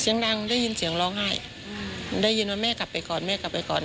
เสียงดังได้ยินเสียงร้องไห้ได้ยินว่าแม่กลับไปก่อนแม่กลับไปก่อน